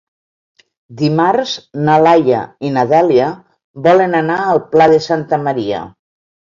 Dimarts na Laia i na Dèlia volen anar al Pla de Santa Maria.